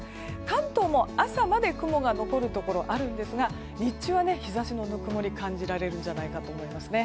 関東も朝まで雲が残るところがあるんですが日中は、日差しのぬくもりが感じられるのではと思いますね。